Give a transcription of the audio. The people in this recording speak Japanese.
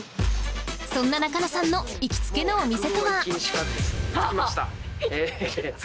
そんな中野さんの行きつけのお店とは？